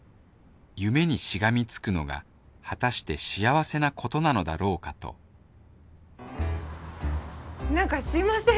夢にしがみつくのが果たして幸せなことなのだろうかとなんかすいません。